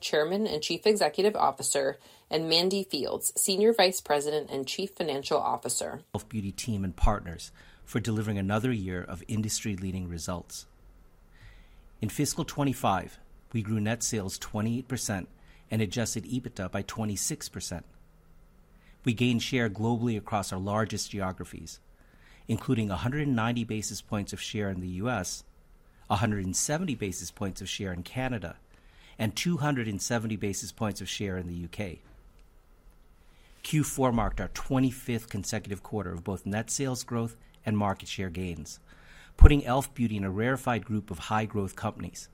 Chairman and Chief Executive Officer, and Mandy Fields, Senior Vice President and Chief Financial Officer. Beauty Team and partners for delivering another year of industry-leading results. In fiscal 2025, we grew net sales 28% and adjusted EBITDA by 26%. We gained share globally across our largest geographies, including 190 basis points of share in the U.S., 170 basis points of share in Canada, and 270 basis points of share in the U.K. Q4 marked our 25th consecutive quarter of both net sales growth and market share gains, putting e.l.f. Beauty in a rarefied group of high-growth companies.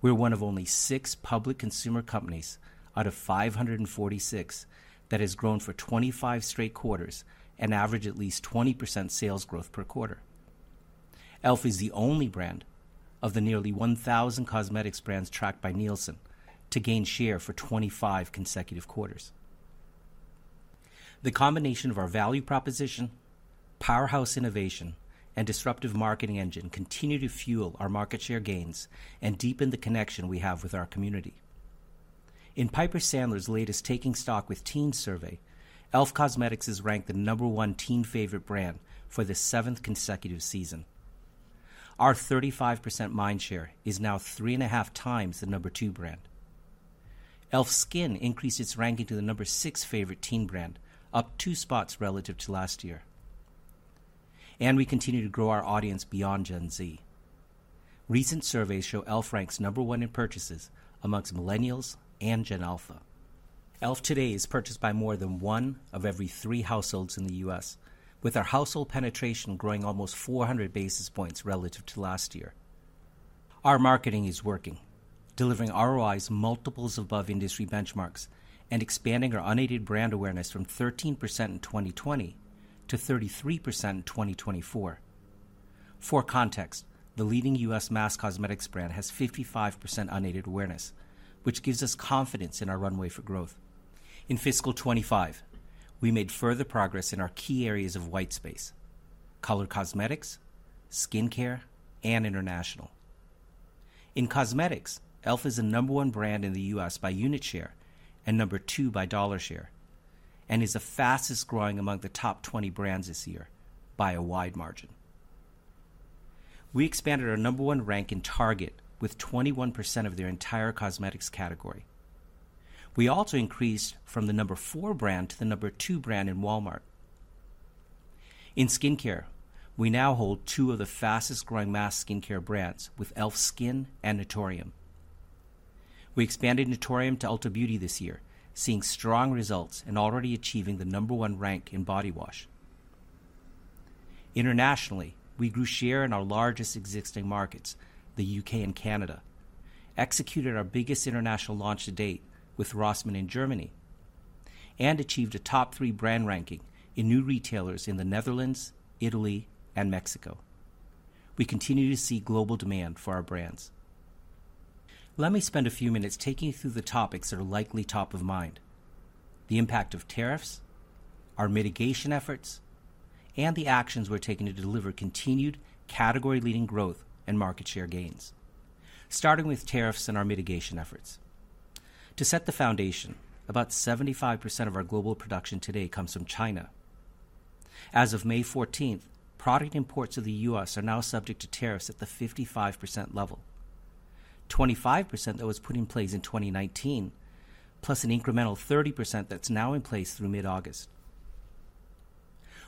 We're one of only six public consumer companies out of 546 that has grown for 25 straight quarters and averaged at least 20% sales growth per quarter. e.l.f. is the only brand of the nearly 1,000 cosmetics brands tracked by Nielsen to gain share for 25 consecutive quarters. The combination of our value proposition, powerhouse innovation, and disruptive marketing engine continue to fuel our market share gains and deepen the connection we have with our community. In Piper Sandler's latest Taking Stock with Teens survey, e.l.f. Cosmetics is ranked the number one teen favorite brand for the seventh consecutive season. Our 35% mind share is now three and a half times the number two brand. e.l.f. Skin increased its ranking to the number six favorite teen brand, up two spots relative to last year. We continue to grow our audience beyond Gen Z. Recent surveys show e.l.f. ranks number one in purchases amongst millennials and Gen Alpha. e.l.f. today is purchased by more than one of every three households in the U.S., with our household penetration growing almost 400 basis points relative to last year. Our marketing is working, delivering ROIs multiples above industry benchmarks and expanding our unaided brand awareness from 13% in 2020 to 33% in 2024. For context, the leading U.S. mass cosmetics brand has 55% unaided awareness, which gives us confidence in our runway for growth. In fiscal 2025, we made further progress in our key areas of white space: color cosmetics, skincare, and international. In cosmetics, e.l.f. is the number one brand in the U.S. by unit share and number two by dollar share, and is the fastest growing among the top 20 brands this year by a wide margin. We expanded our number one rank in Target with 21% of their entire cosmetics category. We also increased from the number four brand to the number two brand in Walmart. In skincare, we now hold two of the fastest growing mass skincare brands with e.l.f. Skin and Naturium. We expanded Naturium to Ulta Beauty this year, seeing strong results and already achieving the number one rank in body wash. Internationally, we grew share in our largest existing markets, the U.K. and Canada, executed our biggest international launch to date with Rossmann in Germany, and achieved a top three brand ranking in new retailers in the Netherlands, Italy, and Mexico. We continue to see global demand for our brands. Let me spend a few minutes taking you through the topics that are likely top of mind: the impact of tariffs, our mitigation efforts, and the actions we're taking to deliver continued category-leading growth and market share gains. Starting with tariffs and our mitigation efforts. To set the foundation, about 75% of our global production today comes from China. As of May 14th, product imports to the U.S. are now subject to tariffs at the 55% level. 25% that was put in place in 2019, plus an incremental 30% that's now in place through mid-August.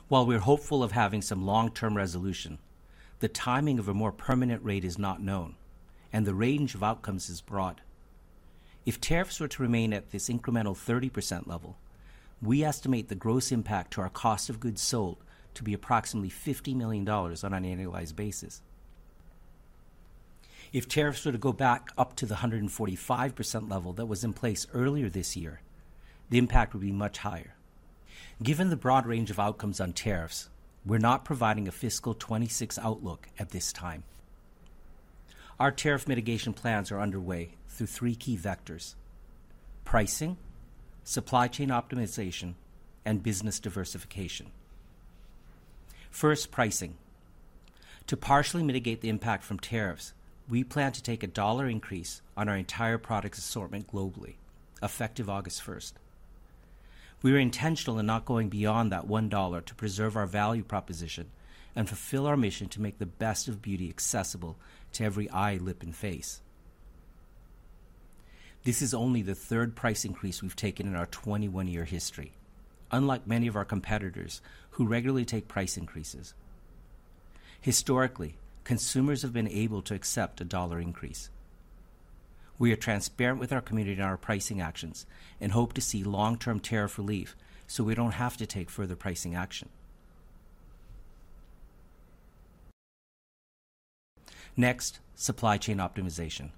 While we're hopeful of having some long-term resolution, the timing of a more permanent rate is not known, and the range of outcomes is broad. If tariffs were to remain at this incremental 30% level, we estimate the gross impact to our cost of goods sold to be approximately $50 million on an annualized basis. If tariffs were to go back up to the 145% level that was in place earlier this year, the impact would be much higher. Given the broad range of outcomes on tariffs, we're not providing a fiscal 2026 outlook at this time. Our tariff mitigation plans are underway through three key vectors: pricing, supply chain optimization, and business diversification. First, pricing. To partially mitigate the impact from tariffs, we plan to take a dollar increase on our entire product assortment globally effective August 1st. We are intentional in not going beyond that $1 to preserve our value proposition and fulfill our mission to make the best of beauty accessible to every eye, lip, and face. This is only the third price increase we've taken in our 21-year history, unlike many of our competitors who regularly take price increases. Historically, consumers have been able to accept a dollar increase. We are transparent with our community in our pricing actions and hope to see long-term tariff relief so we don't have to take further pricing action. Next, supply chain optimization.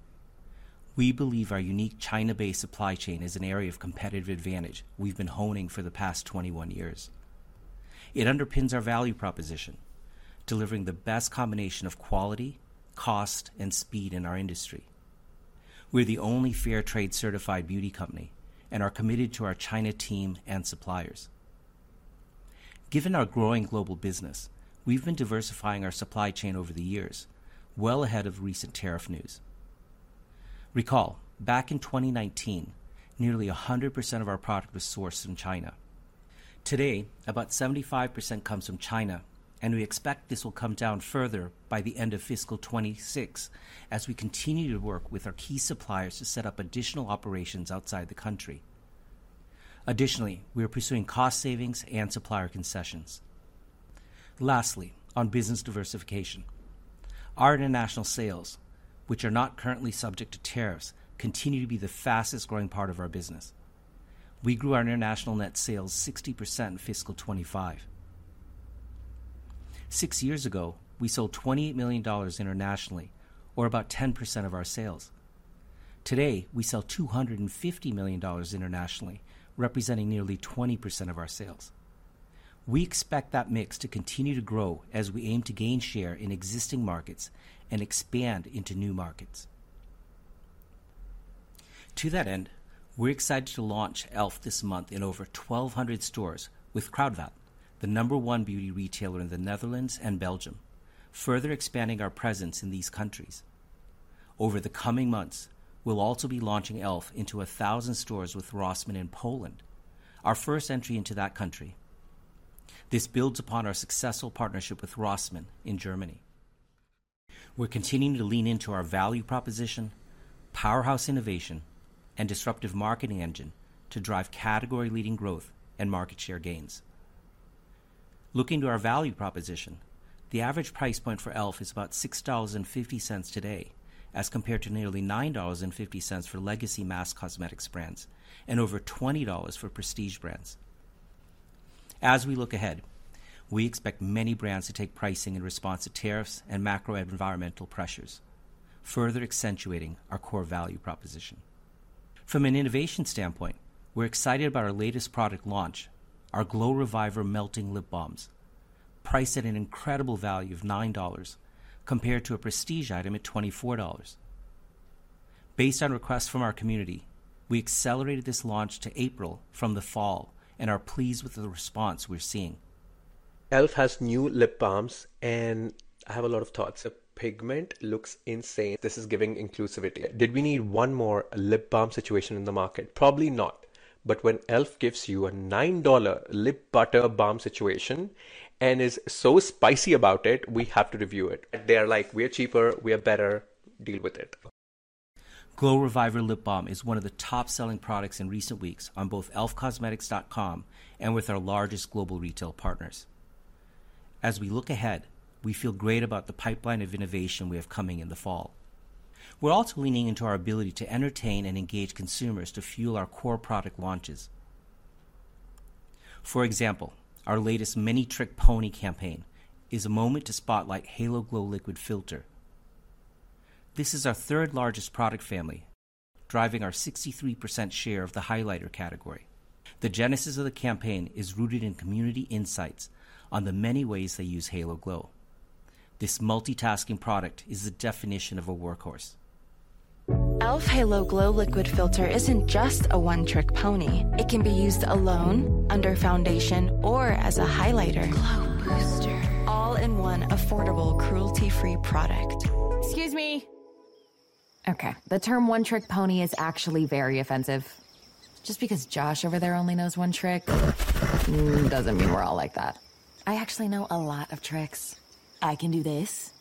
We believe our unique China-based supply chain is an area of competitive advantage we've been honing for the past 21 years. It underpins our value proposition, delivering the best combination of quality, cost, and speed in our industry. We're the only fair trade certified beauty company and are committed to our China team and suppliers. Given our growing global business, we've been diversifying our supply chain over the years, well ahead of recent tariff news. Recall, back in 2019, nearly 100% of our product was sourced from China. Today, about 75% comes from China, and we expect this will come down further by the end of fiscal 2026 as we continue to work with our key suppliers to set up additional operations outside the country. Additionally, we are pursuing cost savings and supplier concessions. Lastly, on business diversification, our international sales, which are not currently subject to tariffs, continue to be the fastest growing part of our business. We grew our international net sales 60% in fiscal 2025. Six years ago, we sold $28 million internationally, or about 10% of our sales. Today, we sell $250 million internationally, representing nearly 20% of our sales. We expect that mix to continue to grow as we aim to gain share in existing markets and expand into new markets. To that end, we're excited to launch e.l.f. this month in over 1,200 stores with Kruidvat, the number one beauty retailer in the Netherlands and Belgium, further expanding our presence in these countries. Over the coming months, we'll also be launching e.l.f. into 1,000 stores with Rossmann in Poland, our first entry into that country. This builds upon our successful partnership with Rossmann in Germany. We're continuing to lean into our value proposition, powerhouse innovation, and disruptive marketing engine to drive category-leading growth and market share gains. Looking to our value proposition, the average price point for e.l.f. is about $6.50 today as compared to nearly $9.50 for legacy mass cosmetics brands and over $20 for prestige brands. As we look ahead, we expect many brands to take pricing in response to tariffs and macro-environmental pressures, further accentuating our core value proposition. From an innovation standpoint, we're excited about our latest product launch, our Glow Reviver Melting Lip Balms, priced at an incredible value of $9 compared to a prestige item at $24. Based on requests from our community, we accelerated this launch to April from the fall and are pleased with the response we're seeing. e.l.f. has new lip balms, and I have a lot of thoughts. The pigment looks insane. This is giving inclusivity. Did we need one more lip balm situation in the market? Probably not. But when e.l.f. gives you a $9 lip butter balm situation and is so spicy about it, we have to review it. They're like, "We are cheaper. We are better. Deal with it. Glow Reviver Lip Balm is one of the top-selling products in recent weeks on both e.l.f.cosmetics.com and with our largest global retail partners. As we look ahead, we feel great about the pipeline of innovation we have coming in the fall. We're also leaning into our ability to entertain and engage consumers to fuel our core product launches. For example, our latest Many Trick Pony campaign is a moment to spotlight Halo Glow Liquid Filter. This is our third-largest product family, driving our 63% share of the highlighter category. The genesis of the campaign is rooted in community insights on the many ways they use Halo Glow. This multitasking product is the definition of a workhorse. e.l.f. Halo Glow Liquid Filter isn't just a one trick pony. It can be used alone, under foundation, or as a highlighter. Glow booster. All in one affordable, cruelty-free product. Excuse me. Okay, the term one trick pony is actually very offensive. Just because Josh over there only knows one trick does not mean we are all like that. I actually know a lot of tricks. I can do this.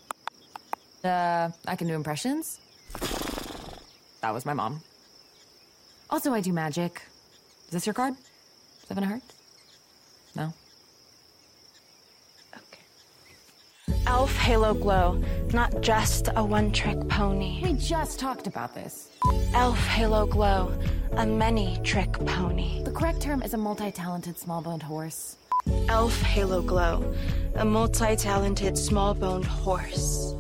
I can do impressions. That was my mom. Also, I do magic. Is this your card? Does that have a heart? No? Okay. e.l.f. Halo Glow, not just a one trick pony. We just talked about this. e.l.f. Halo Glow, a many trick pony. The correct term is a multi-talented small-boned horse. e.l.f. Halo Glow, a multi-talented small-boned horse.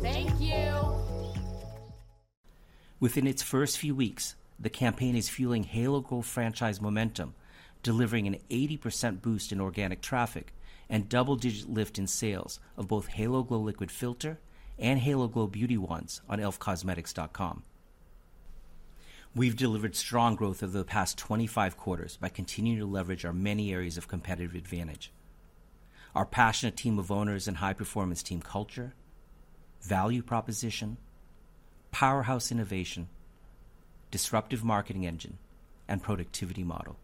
Thank you. Within its first few weeks, the campaign is fueling Halo Glow franchise momentum, delivering an 80% boost in organic traffic and double-digit lift in sales of both Halo Glow Liquid Filter and Halo Glow Beauty Wands on e.l.f. cosmetics.com. We've delivered strong growth over the past 25 quarters by continuing to leverage our many areas of competitive advantage: our passionate team of owners and high-performance team culture, value proposition, powerhouse innovation, disruptive marketing engine, and productivity model.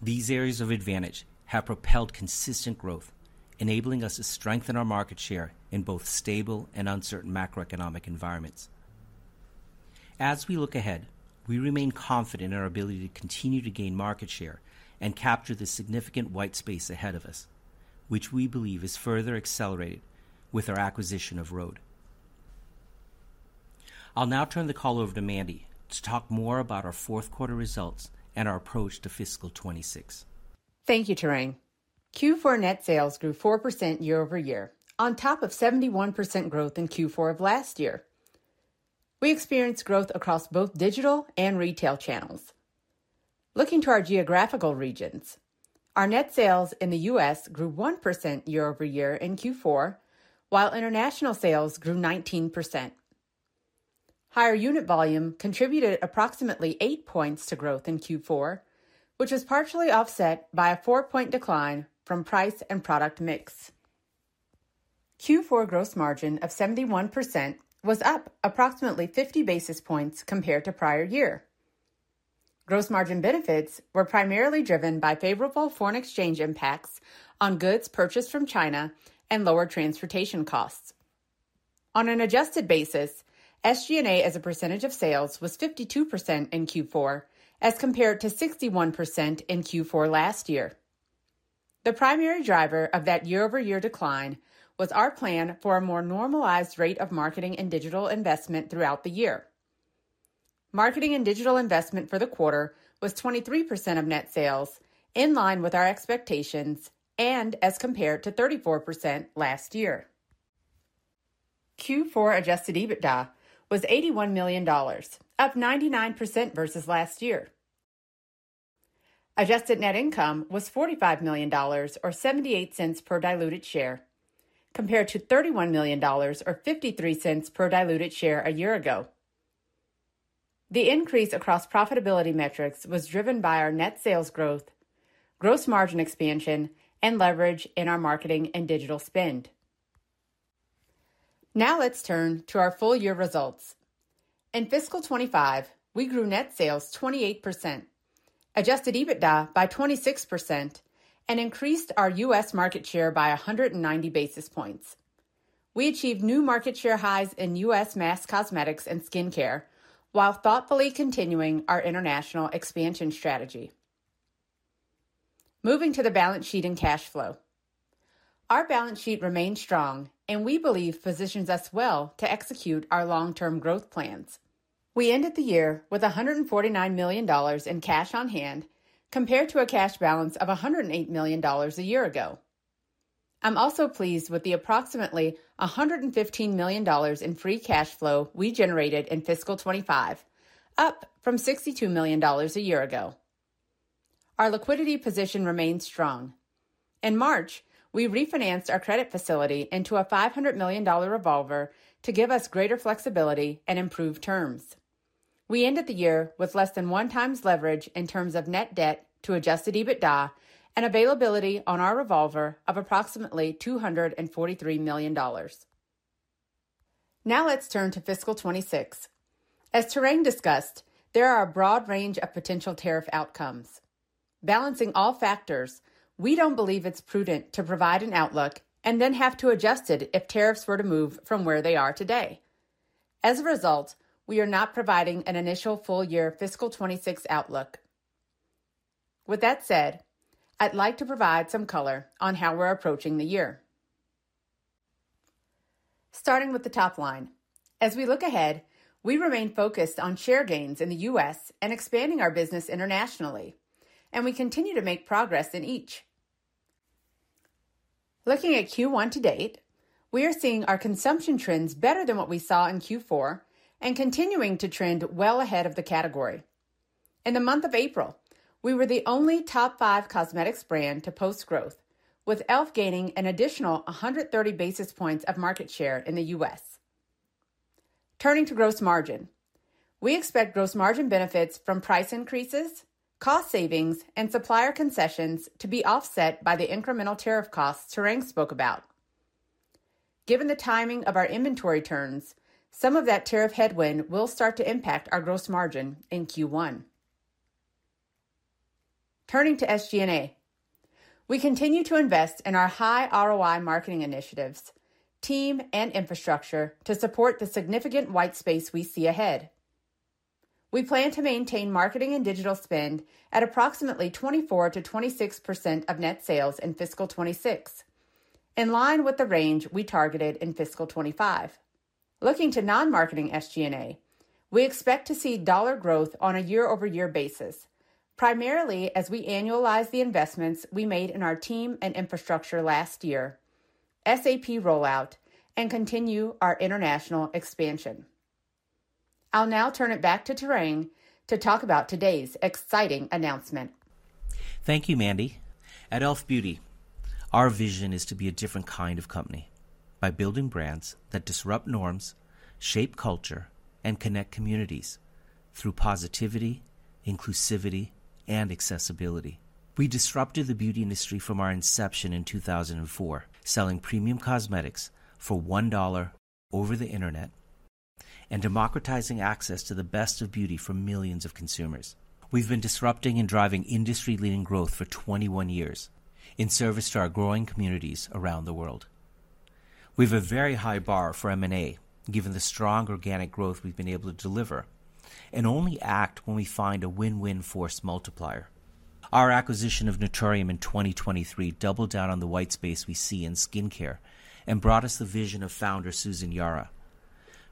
These areas of advantage have propelled consistent growth, enabling us to strengthen our market share in both stable and uncertain macroeconomic environments. As we look ahead, we remain confident in our ability to continue to gain market share and capture the significant white space ahead of us, which we believe is further accelerated with our acquisition of. I'll now turn the call over to Mandy to talk more about our fourth quarter results and our approach to fiscal 2026. Thank you, Tarang. Q4 net sales grew 4% year over year, on top of 71% growth in Q4 of last year. We experienced growth across both digital and retail channels. Looking to our geographical regions, our net sales in the U.S. grew 1% year over year in Q4, while international sales grew 19%. Higher unit volume contributed approximately 8 points to growth in Q4, which was partially offset by a 4-point decline from price and product mix. Q4 gross margin of 71% was up approximately 50 basis points compared to prior year. Gross margin benefits were primarily driven by favorable foreign exchange impacts on goods purchased from China and lower transportation costs. On an adjusted basis, SG&A as a percentage of sales was 52% in Q4 as compared to 61% in Q4 last year. The primary driver of that year-over-year decline was our plan for a more normalized rate of marketing and digital investment throughout the year. Marketing and digital investment for the quarter was 23% of net sales, in line with our expectations and as compared to 34% last year. Q4 adjusted EBITDA was $81 million, up 99% versus last year. Adjusted net income was $45 million, or $0.78 per diluted share, compared to $31 million, or $0.53 per diluted share a year ago. The increase across profitability metrics was driven by our net sales growth, gross margin expansion, and leverage in our marketing and digital spend. Now let's turn to our full-year results. In fiscal 2025, we grew net sales 28%, adjusted EBITDA by 26%, and increased our US market share by 190 basis points. We achieved new market share highs in US mass cosmetics and skincare while thoughtfully continuing our international expansion strategy. Moving to the balance sheet and cash flow. Our balance sheet remained strong, and we believe positions us well to execute our long-term growth plans. We ended the year with $149 million in cash on hand compared to a cash balance of $108 million a year ago. I'm also pleased with the approximately $115 million in free cash flow we generated in fiscal 2025, up from $62 million a year ago. Our liquidity position remained strong. In March, we refinanced our credit facility into a $500 million revolver to give us greater flexibility and improved terms. We ended the year with less than one times leverage in terms of net debt to adjusted EBITDA and availability on our revolver of approximately $243 million. Now let's turn to fiscal 2026. As Tarang discussed, there are a broad range of potential tariff outcomes. Balancing all factors, we do not believe it is prudent to provide an outlook and then have to adjust it if tariffs were to move from where they are today. As a result, we are not providing an initial full-year fiscal 2026 outlook. With that said, I would like to provide some color on how we are approaching the year. Starting with the top line, as we look ahead, we remain focused on share gains in the U.S. and expanding our business internationally, and we continue to make progress in each. Looking at Q1 to date, we are seeing our consumption trends better than what we saw in Q4 and continuing to trend well ahead of the category. In the month of April, we were the only top five cosmetics brand to post growth, with e.l.f. gaining an additional 130 basis points of market share in the U.S. Turning to gross margin, we expect gross margin benefits from price increases, cost savings, and supplier concessions to be offset by the incremental tariff costs Tarang spoke about. Given the timing of our inventory turns, some of that tariff headwind will start to impact our gross margin in Q1. Turning to SG&A, we continue to invest in our high ROI marketing initiatives, team, and infrastructure to support the significant white space we see ahead. We plan to maintain marketing and digital spend at approximately 24%-26% of net sales in fiscal 2026, in line with the range we targeted in fiscal 2025. Looking to non-marketing SG&A, we expect to see dollar growth on a year-over-year basis, primarily as we annualize the investments we made in our team and infrastructure last year, SAP rollout, and continue our international expansion. I'll now turn it back to Tarang to talk about today's exciting announcement. Thank you, Mandy. At e.l.f. Beauty, our vision is to be a different kind of company by building brands that disrupt norms, shape culture, and connect communities through positivity, inclusivity, and accessibility. We disrupted the beauty industry from our inception in 2004, selling premium cosmetics for $1 over the internet and democratizing access to the best of beauty for millions of consumers. We've been disrupting and driving industry-leading growth for 21 years in service to our growing communities around the world. We have a very high bar for M&A, given the strong organic growth we've been able to deliver, and only act when we find a win-win force multiplier. Our acquisition of Naturium in 2023 doubled down on the white space we see in skincare and brought us the vision of founder Susan Yara,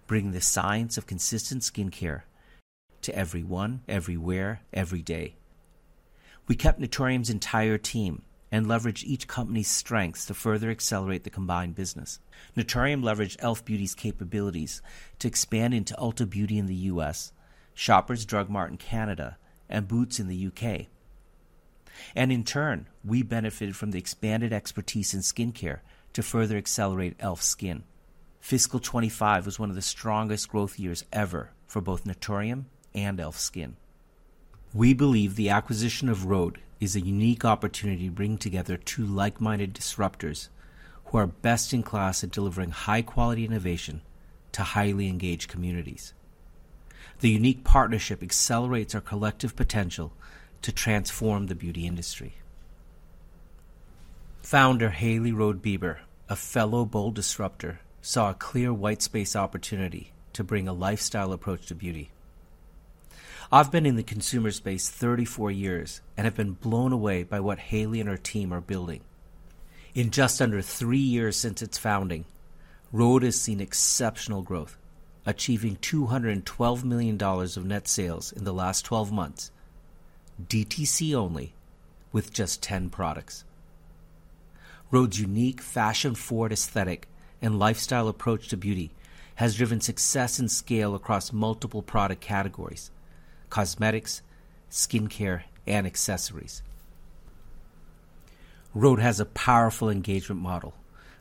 bringing the science of consistent skincare to everyone, everywhere, every day. We kept Naturium's entire team and leveraged each company's strengths to further accelerate the combined business. Naturium leveraged e.l.f. Beauty's capabilities to expand into Ulta Beauty in the U.S., Shoppers Drug Mart in Canada, and Boots in the U.K. In turn, we benefited from the expanded expertise in skincare to further accelerate e.l.f. Skin. Fiscal 2025 was one of the strongest growth years ever for both Naturium and e.l.f. Skin. We believe the acquisition of rhode is a unique opportunity to bring together two like-minded disruptors who are best in class at delivering high-quality innovation to highly engaged communities. The unique partnership accelerates our collective potential to transform the beauty industry. Founder Hailey Rhode Bieber, a fellow bold disruptor, saw a clear white space opportunity to bring a lifestyle approach to beauty. I've been in the consumer space 34 years and have been blown away by what Hailey and her team are building. In just under three years since its founding, rhode has seen exceptional growth, achieving $212 million of net sales in the last 12 months, DTC only, with just 10 products. rhode's unique fashion-forward aesthetic and lifestyle approach to beauty has driven success and scale across multiple product categories: cosmetics, skincare, and accessories. rhode has a powerful engagement model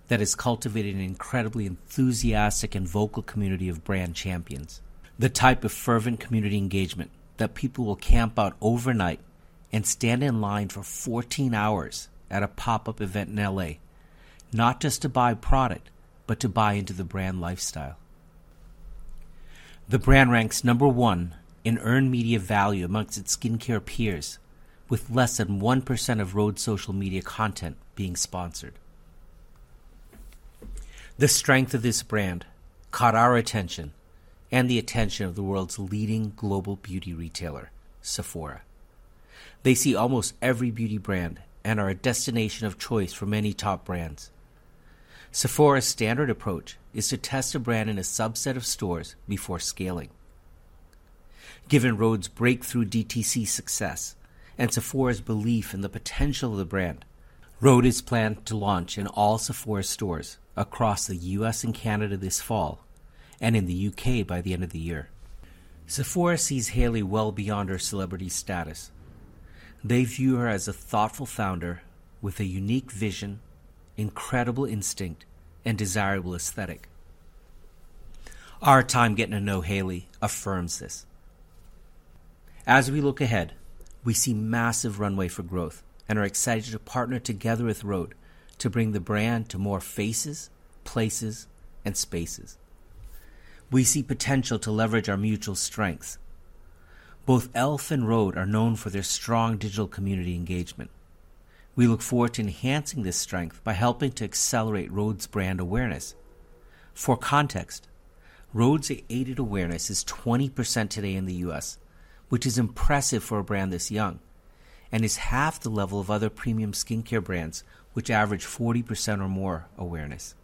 that has cultivated an incredibly enthusiastic and vocal community of brand champions, the type of fervent community engagement that people will camp out overnight and stand in line for 14 hours at a pop-up event in Los Angeles, not just to buy a product, but to buy into the brand lifestyle. The brand ranks number one in earned media value amongst its skincare peers, with less than 1% of rhode's social media content being sponsored. The strength of this brand caught our attention and the attention of the world's leading global beauty retailer, Sephora. They see almost every beauty brand and are a destination of choice for many top brands. Sephora's standard approach is to test a brand in a subset of stores before scaling. Given rhode's breakthrough DTC success and Sephora's belief in the potential of the brand, rhode is planned to launch in all Sephora stores across the U.S. and Canada this fall and in the U.K. by the end of the year. Sephora sees Hailey well beyond her celebrity status. They view her as a thoughtful founder with a unique vision, incredible instinct, and desirable aesthetic. Our time getting to know Hailey affirms this. As we look ahead, we see massive runway for growth and are excited to partner together with rhode to bring the brand to more faces, places, and spaces. We see potential to leverage our mutual strengths. Both e.l.f. and rhode are known for their strong digital community engagement. We look forward to enhancing this strength by helping to accelerate rhode's brand awareness. For context, rhode's aided awareness is 20% today in the U.S., which is impressive for a brand this young and is half the level of other premium skincare brands, which average 40% or more awareness.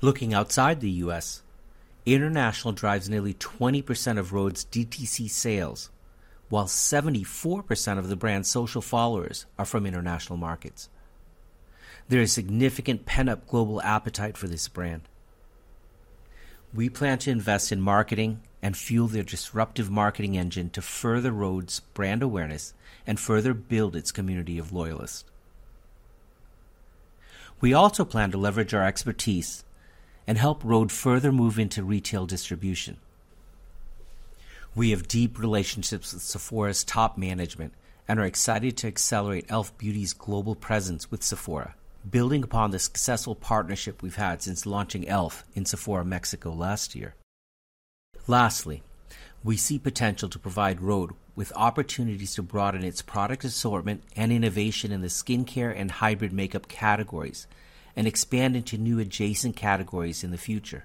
Looking outside the U.S., international drives nearly 20% of rhode's DTC sales, while 74% of the brand's social followers are from international markets. There is significant pent-up global appetite for this brand. We plan to invest in marketing and fuel their disruptive marketing engine to further rhode's brand awareness and further build its community of loyalists. We also plan to leverage our expertise and help rhode further move into retail distribution. We have deep relationships with Sephora's top management and are excited to accelerate e.l.f. Beauty's global presence with Sephora, building upon the successful partnership we've had since launching e.l.f. in Sephora, Mexico, last year. Lastly, we see potential to provide rhode with opportunities to broaden its product assortment and innovation in the skincare and hybrid makeup categories and expand into new adjacent categories in the future.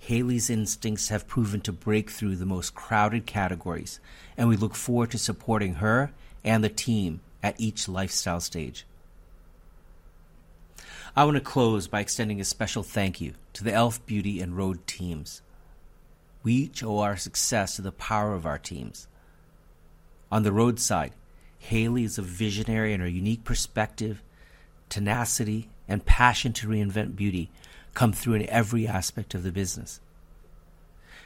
Hailey's instincts have proven to break through the most crowded categories, and we look forward to supporting her and the team at each lifestyle stage. I want to close by extending a special thank you to the e.l.f. Beauty and rhode teams. We owe our success to the power of our teams. On the rhode side, Hailey is a visionary in her unique perspective, tenacity, and passion to reinvent beauty come through in every aspect of the business.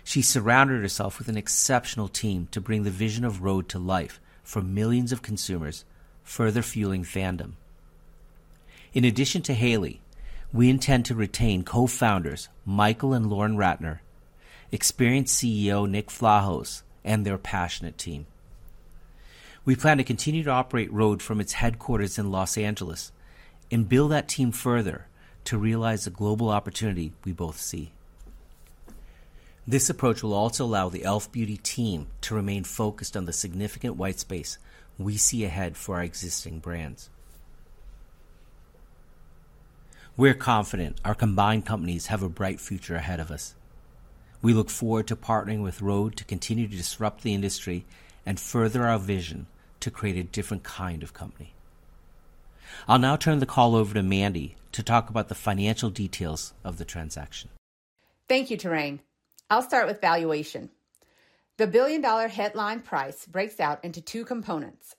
She surrounded herself with an exceptional team to bring the vision of rhode to life for millions of consumers, further fueling fandom. In addition to Hailey, we intend to retain co-founders Michael and Lauren, experienced CEO Nick Vlahos, and their passionate team. We plan to continue to operate rhode from its headquarters in Los Angeles and build that team further to realize a global opportunity we both see. This approach will also allow the e.l.f. Beauty team to remain focused on the significant white space we see ahead for our existing brands. We're confident our combined companies have a bright future ahead of us. We look forward to partnering with rhode to continue to disrupt the industry and further our vision to create a different kind of company. I'll now turn the call over to Mandy to talk about the financial details of the transaction. Thank you, Tarang. I'll start with valuation. The billion-dollar headline price breaks out into two components.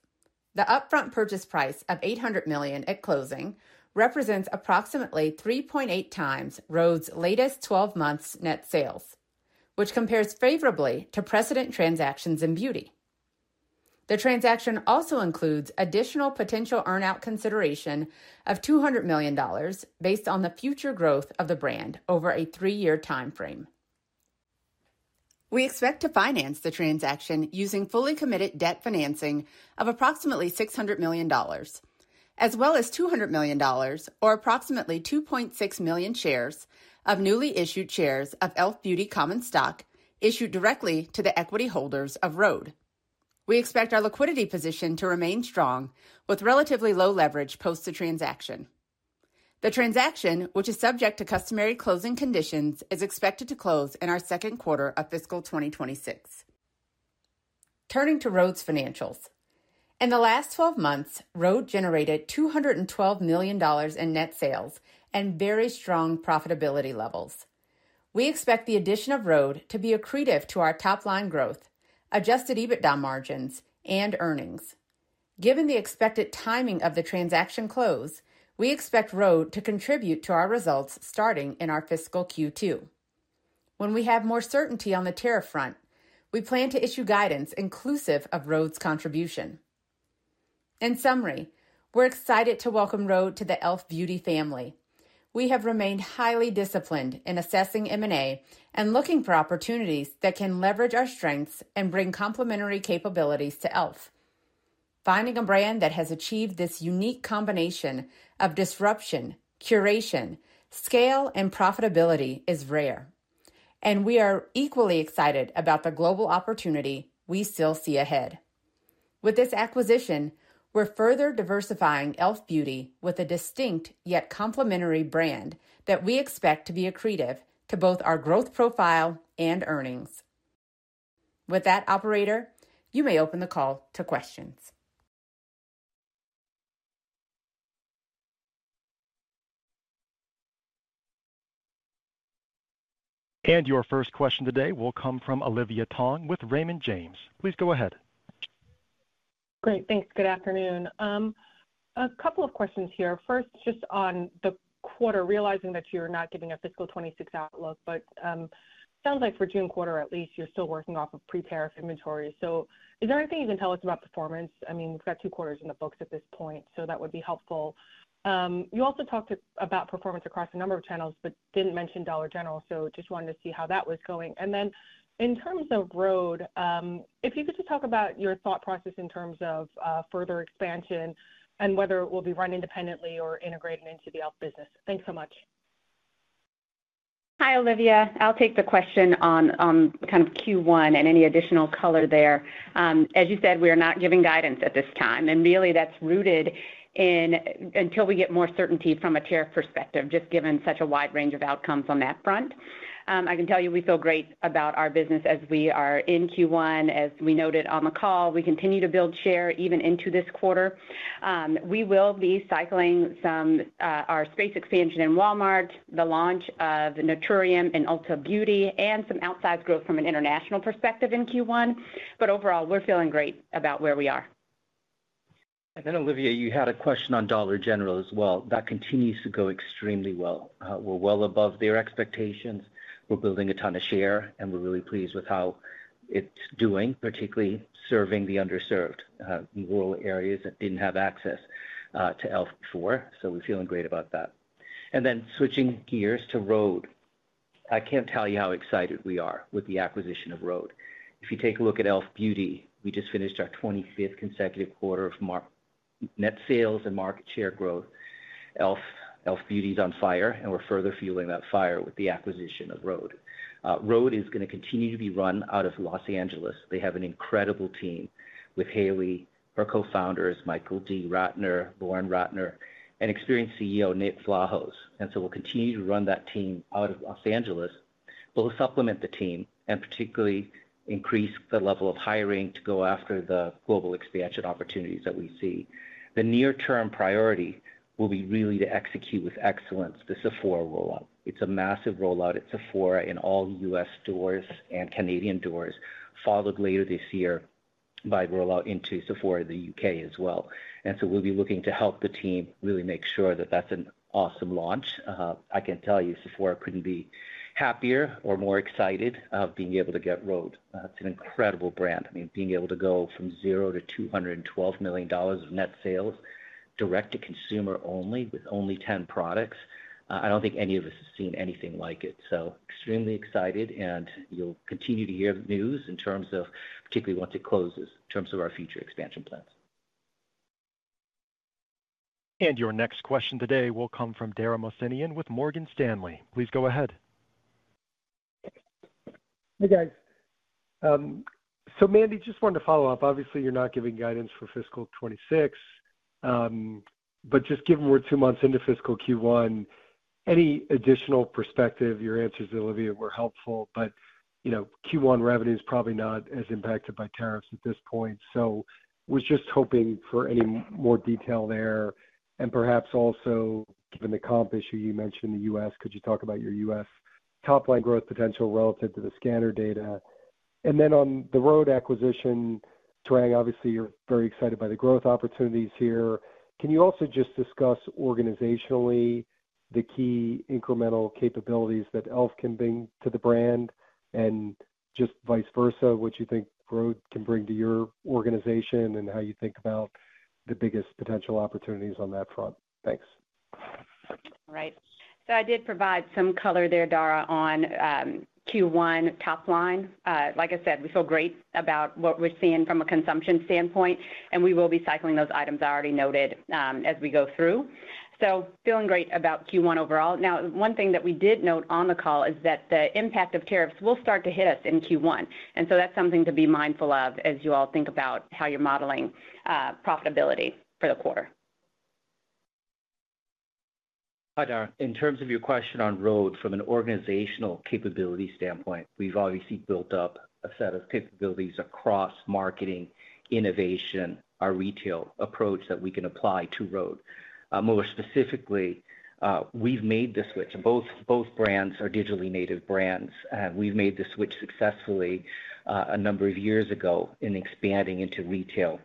The upfront purchase price of $800 million at closing represents approximately 3.8 times rhode's latest 12 months' net sales, which compares favorably to precedent transactions in beauty. The transaction also includes additional potential earn-out consideration of $200 million based on the future growth of the brand over a three-year timeframe. We expect to finance the transaction using fully committed debt financing of approximately $600 million, as well as $200 million or approximately 2.6 million shares of newly issued shares of e.l.f. Beauty Common Stock issued directly to the equity holders of rhode. We expect our liquidity position to remain strong with relatively low leverage post the transaction. The transaction, which is subject to customary closing conditions, is expected to close in our second quarter of fiscal 2026. Turning to rhode's financials. In the last 12 months, rhode generated $212 million in net sales and very strong profitability levels. We expect the addition of rhode to be accretive to our top-line growth, adjusted EBITDA margins, and earnings. Given the expected timing of the transaction close, we expect rhode to contribute to our results starting in our fiscal Q2. When we have more certainty on the tariff front, we plan to issue guidance inclusive of rhode's contribution. In summary, we're excited to welcome rhode to the e.l.f. Beauty family. We have remained highly disciplined in assessing M&A and looking for opportunities that can leverage our strengths and bring complementary capabilities to e.l.f. Finding a brand that has achieved this unique combination of disruption, curation, scale, and profitability is rare, and we are equally excited about the global opportunity we still see ahead. With this acquisition, we're further diversifying e.l.f. Beauty with a distinct yet complementary brand that we expect to be accretive to both our growth profile and earnings. With that, operator, you may open the call to questions. Your first question today will come from Olivia Tong with Raymond James. Please go ahead. Great. Thanks. Good afternoon. A couple of questions here. First, just on the quarter, realizing that you're not giving a fiscal 2026 outlook, but it sounds like for the June quarter, at least, you're still working off of pre-tariff inventory. Is there anything you can tell us about performance? I mean, we've got two quarters in the books at this point, so that would be helpful. You also talked about performance across a number of channels but did not mention Dollar General, so just wanted to see how that was going. In terms of rhode, if you could just talk about your thought process in terms of further expansion and whether it will be run independently or integrated into the e.l.f. business. Thanks so much. Hi, Olivia. I'll take the question on kind of Q1 and any additional color there. As you said, we are not giving guidance at this time. Really, that's rooted in until we get more certainty from a tariff perspective, just given such a wide range of outcomes on that front. I can tell you we feel great about our business as we are in Q1. As we noted on the call, we continue to build share even into this quarter. We will be cycling some of our space expansion in Walmart, the launch of Naturium and Ulta Beauty, and some outsized growth from an international perspective in Q1. Overall, we're feeling great about where we are. Olivia, you had a question on Dollar General as well. That continues to go extremely well. We're well above their expectations. We're building a ton of share, and we're really pleased with how it's doing, particularly serving the underserved rural areas that didn't have access to e.l.f. before. We're feeling great about that. Switching gears to rhode, I can't tell you how excited we are with the acquisition of rhode. If you take a look at e.l.f. Beauty, we just finished our 25th consecutive quarter of net sales and market share growth. e.l.f. Beauty is on fire, and we're further fueling that fire with the acquisition of rhode. rhode is going to continue to be run out of Los Angeles. They have an incredible team with Hailey. Her co-founder is Michael D. Ratner, Lauren Ratner, and experienced CEO Nick Vlahos. We will continue to run that team out of Los Angeles. We will supplement the team and particularly increase the level of hiring to go after the global expansion opportunities that we see. The near-term priority will be really to execute with excellence the Sephora rollout. It is a massive rollout. It is Sephora in all U.S. stores and Canadian doors, followed later this year by rollout into Sephora in the U.K. as well. We will be looking to help the team really make sure that that is an awesome launch. I can tell you Sephora could not be happier or more excited about being able to get rhode. It is an incredible brand. I mean, being able to go from $0 to $212 million of net sales direct to consumer only with only 10 products, I do not think any of us have seen anything like it. Extremely excited, and you'll continue to hear the news in terms of particularly once it closes in terms of our future expansion plans. Your next question today will come from Dara Mohsenian with Morgan Stanley. Please go ahead. Hey, guys. So Mandy, just wanted to follow up. Obviously, you're not giving guidance for fiscal 2026, but just given we're two months into fiscal Q1, any additional perspective? Your answers, Olivia, were helpful, but Q1 revenue is probably not as impacted by tariffs at this point. So we're just hoping for any more detail there and perhaps also given the comp issue you mentioned in the U.S., could you talk about your U.S. top-line growth potential relative to the scanner data? And then on the rhode acquisition, Tarang, obviously, you're very excited by the growth opportunities here. Can you also just discuss organizationally the key incremental capabilities that e.l.f. can bring to the brand and just vice versa, what you think rhode can bring to your organization and how you think about the biggest potential opportunities on that front? Thanks. Right. I did provide some color there, Dara, on Q1 top-line. Like I said, we feel great about what we're seeing from a consumption standpoint, and we will be cycling those items I already noted as we go through. Feeling great about Q1 overall. One thing that we did note on the call is that the impact of tariffs will start to hit us in Q1. That is something to be mindful of as you all think about how you're modeling profitability for the quarter. Hi, Dara. In terms of your question on rhode, from an organizational capability standpoint, we've obviously built up a set of capabilities across marketing, innovation, our retail approach that we can apply to rhode. More specifically, we've made the switch. Both brands are digitally native brands, and we've made the switch successfully a number of years ago in expanding into retail.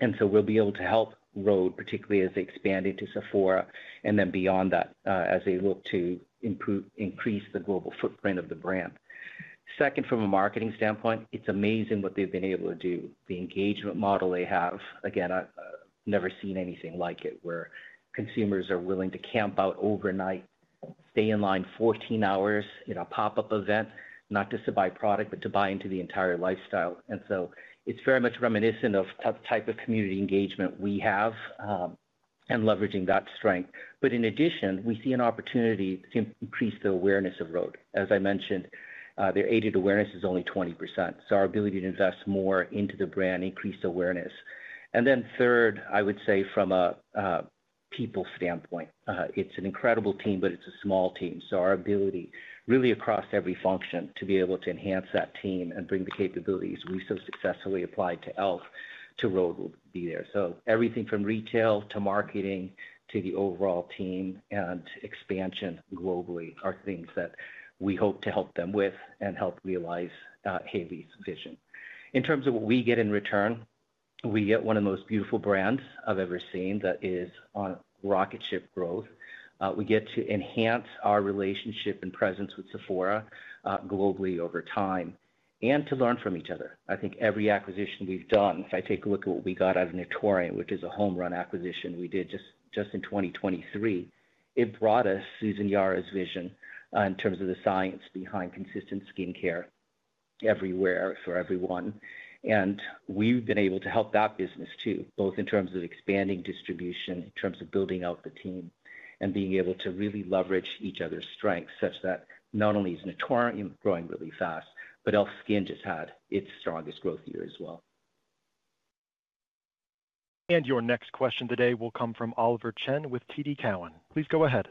We will be able to help rhode, particularly as they expand into Sephora and then beyond that as they look to increase the global footprint of the brand. Second, from a marketing standpoint, it's amazing what they've been able to do. The engagement model they have, again, I've never seen anything like it where consumers are willing to camp out overnight, stay in line 14 hours in a pop-up event, not just to buy product, but to buy into the entire lifestyle. It is very much reminiscent of the type of community engagement we have and leveraging that strength. In addition, we see an opportunity to increase the awareness of rhode. As I mentioned, their aided awareness is only 20%. Our ability to invest more into the brand increases awareness. Third, I would say from a people standpoint, it is an incredible team, but it is a small team. Our ability really across every function to be able to enhance that team and bring the capabilities we so successfully applied to e.l.f. to rhode will be there. Everything from retail to marketing to the overall team and expansion globally are things that we hope to help them with and help realize Hailey's vision. In terms of what we get in return, we get one of the most beautiful brands I've ever seen that is on rocket ship growth. We get to enhance our relationship and presence with Sephora globally over time and to learn from each other. I think every acquisition we've done, if I take a look at what we got out of Naturium, which is a home-run acquisition we did just in 2023, it brought us Susan Yara's vision in terms of the science behind consistent skincare everywhere for everyone. We've been able to help that business too, both in terms of expanding distribution, in terms of building out the team, and being able to really leverage each other's strengths such that not only is Naturium growing really fast, but e.l.f. Skin just had its strongest growth year as well. Your next question today will come from Oliver Chen with TD Cowen. Please go ahead.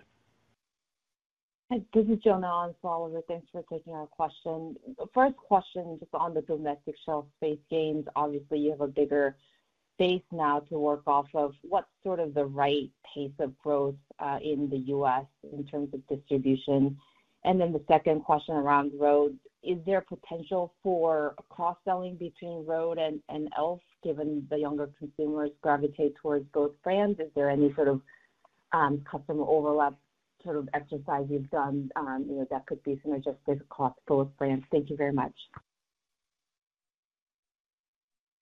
Hi, this is Johna Niles. Oliver, thanks for taking our question. First question, just on the domestic shelf space gains, obviously, you have a bigger base now to work off of. What's sort of the right pace of growth in the U.S. in terms of distribution? The second question around rhode, is there potential for cross-selling between rhode and e.l.f. given the younger consumers gravitate towards both brands? Is there any sort of customer overlap sort of exercise you've done that could be synergistic across both brands? Thank you very much.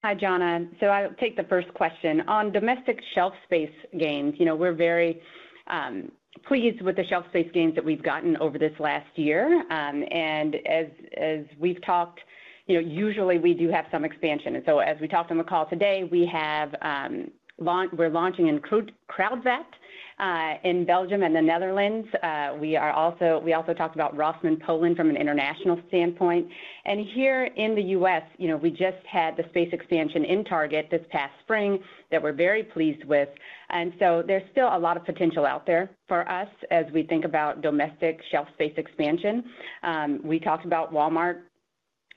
Hi, Johna. So I'll take the first question. On domestic shelf space gains, we're very pleased with the shelf space gains that we've gotten over this last year. And as we've talked, usually we do have some expansion. As we talked on the call today, we're launching in Kruidvat in Belgium and the Netherlands. We also talked about Rossmann Poland from an international standpoint. Here in the U.S., we just had the space expansion in Target this past spring that we're very pleased with. There's still a lot of potential out there for us as we think about domestic shelf space expansion. We talked about Walmart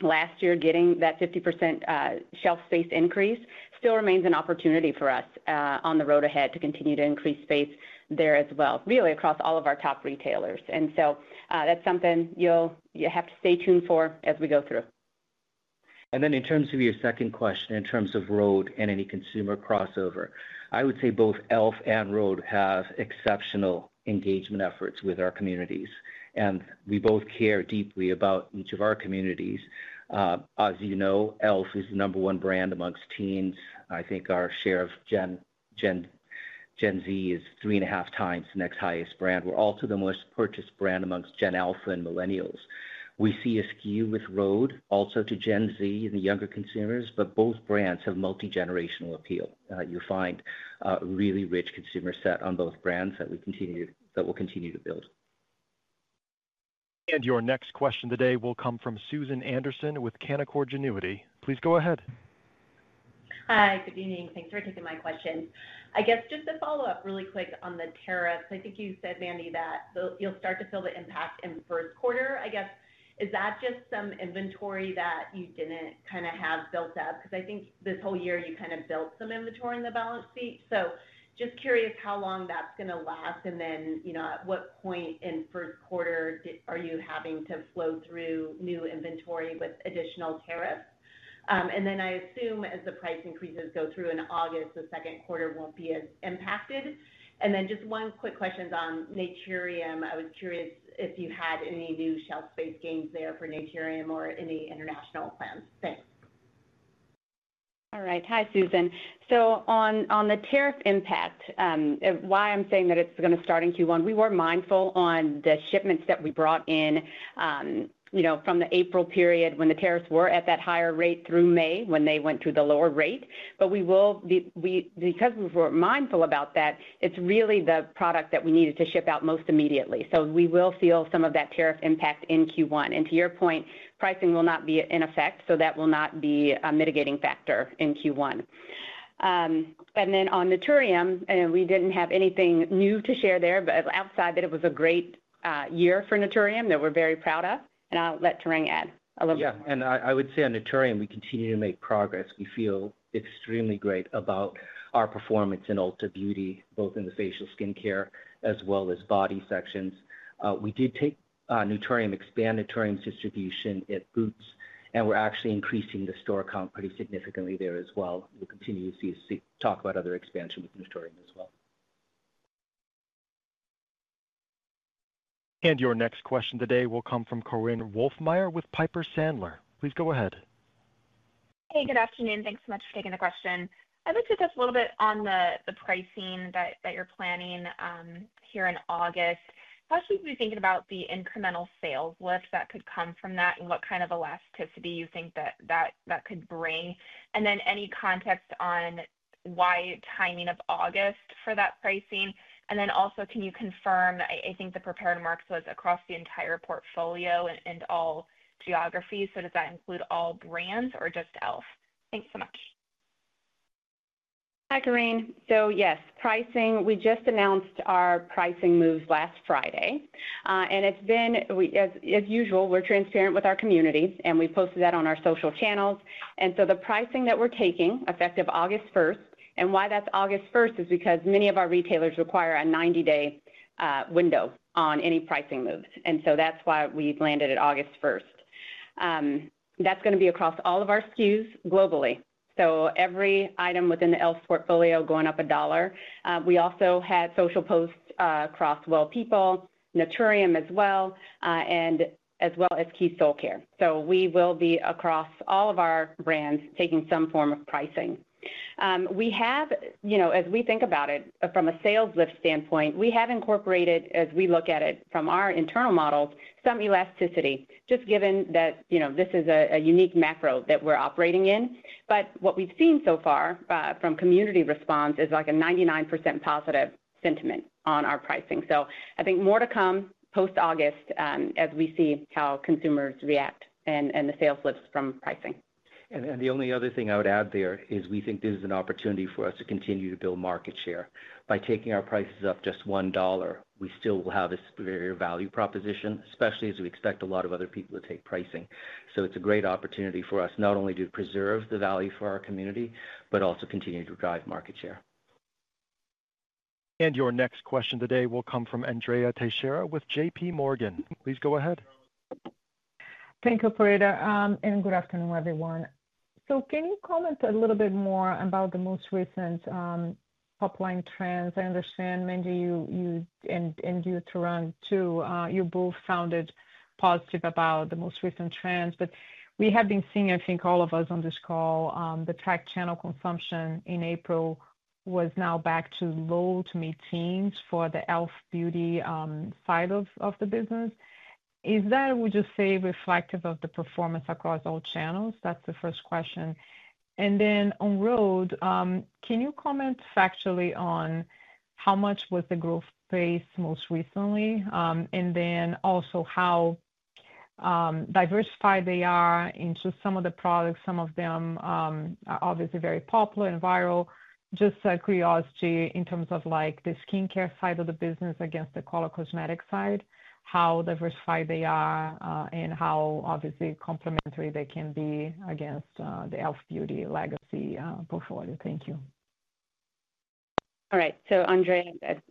last year getting that 50% shelf space increase, still remains an opportunity for us on the road ahead to continue to increase space there as well, really across all of our top retailers. That's something you'll have to stay tuned for as we go through. In terms of your second question, in terms of rhode and any consumer crossover, I would say both e.l.f. and rhode have exceptional engagement efforts with our communities. We both care deeply about each of our communities. As you know, e.l.f. is the number one brand amongst teens. I think our share of Gen Z is three and a half times the next highest brand. We are also the most purchased brand amongst Gen Alpha and Millennials. We see a skew with rhode also to Gen Z and the younger consumers, but both brands have multi-generational appeal. You find a really rich consumer set on both brands that we will continue to build. Your next question today will come from Susan Anderson with Canaccord Genuity. Please go ahead. Hi, good evening. Thanks for taking my question. I guess just to follow up really quick on the tariffs, I think you said, Mandy, that you'll start to feel the impact in first quarter. I guess, is that just some inventory that you didn't kind of have built up? Because I think this whole year you kind of built some inventory in the balance sheet. Just curious how long that's going to last and at what point in first quarter are you having to flow through new inventory with additional tariffs? I assume as the price increases go through in August, the second quarter won't be as impacted. Just one quick question on Naturium. I was curious if you had any new shelf space gains there for Naturium or any international plans. Thanks. All right. Hi, Susan. On the tariff impact, why I'm saying that it's going to start in Q1, we were mindful on the shipments that we brought in from the April period when the tariffs were at that higher rate through May when they went to the lower rate. Because we were mindful about that, it's really the product that we needed to ship out most immediately. We will feel some of that tariff impact in Q1. To your point, pricing will not be in effect, so that will not be a mitigating factor in Q1. On Naturium, we didn't have anything new to share there, but outside that it was a great year for Naturium that we're very proud of. I'll let Tarang add a little bit. Yeah. I would say on Naturium, we continue to make progress. We feel extremely great about our performance in Ulta Beauty, both in the facial skincare as well as body sections. We did take Naturium, expand Naturium's distribution at Boots, and we are actually increasing the store count pretty significantly there as well. We will continue to talk about other expansion with Naturium as well. Your next question today will come from Korinne Wolfmeyer with Piper Sandler. Please go ahead. Hey, good afternoon. Thanks so much for taking the question. I'd like to discuss a little bit on the pricing that you're planning here in August. How should we be thinking about the incremental sales lift that could come from that and what kind of elasticity you think that that could bring? Any context on why timing of August for that pricing? Also, can you confirm, I think the prepared marks was across the entire portfolio and all geographies. Does that include all brands or just e.l.f.? Thanks so much. Hi, Korinne. Yes, pricing, we just announced our pricing moves last Friday. As usual, we're transparent with our community, and we posted that on our social channels. The pricing that we're taking is effective August 1, and why that's August 1 is because many of our retailers require a 90-day window on any pricing moves. That's why we've landed at August 1. That's going to be across all of our SKUs globally, so every item within the e.l.f. portfolio going up a dollar. We also had social posts across Well People, Naturium as well, as well as Keys Soulcare. We will be across all of our brands taking some form of pricing. We have, as we think about it from a sales lift standpoint, we have incorporated, as we look at it from our internal models, some elasticity, just given that this is a unique macro that we're operating in. What we've seen so far from community response is like a 99% positive sentiment on our pricing. I think more to come post-August as we see how consumers react and the sales lifts from pricing. The only other thing I would add there is we think this is an opportunity for us to continue to build market share. By taking our prices up just $1, we still will have this very value proposition, especially as we expect a lot of other people to take pricing. It is a great opportunity for us not only to preserve the value for our community, but also continue to drive market share. Your next question today will come from Andrea Teixeira with JPMorgan Please go ahead. Thank you, Operator. And good afternoon, everyone. Can you comment a little bit more about the most recent top-line trends? I understand, Mandy, you and you, Tarang, too, you both sounded positive about the most recent trends. We have been seeing, I think all of us on this call, the track channel consumption in April was now back to low to mid-teens for the e.l.f. Beauty side of the business. Is that, would you say, reflective of the performance across all channels? That's the first question. On rhode, can you comment factually on how much was the growth based most recently? Also, how diversified they are into some of the products, some of them are obviously very popular and viral. Just a curiosity in terms of the skincare side of the business against the color cosmetic side, how diversified they are and how obviously complementary they can be against the e.l.f. Beauty legacy portfolio. Thank you. All right. So Andrea,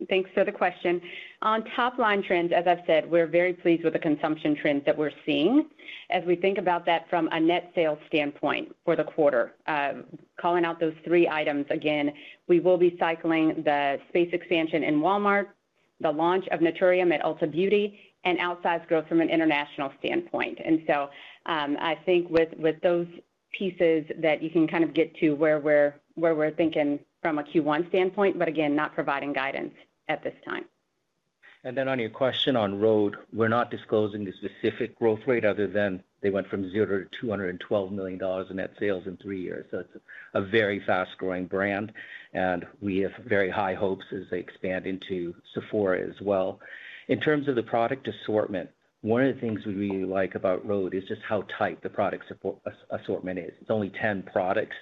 thanks for the question. On top-line trends, as I've said, we're very pleased with the consumption trends that we're seeing as we think about that from a net sales standpoint for the quarter. Calling out those three items again, we will be cycling the space expansion in Walmart, the launch of Naturium at Ulta Beauty, and outsized growth from an international standpoint. I think with those pieces that you can kind of get to where we're thinking from a Q1 standpoint, but again, not providing guidance at this time. On your question on rhode, we're not disclosing the specific growth rate other than they went from zero to $212 million in net sales in three years. It is a very fast-growing brand, and we have very high hopes as they expand into Sephora as well. In terms of the product assortment, one of the things we really like about rhode is just how tight the product assortment is. It is only 10 products